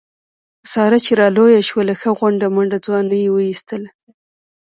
ساره چې را لویه شوله ښه غونډه منډه ځواني یې و ایستله.